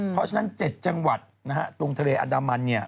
เพราะฉะนั้น๗จังหวัดนะฮะตรงทะเลอันดามันเนี่ย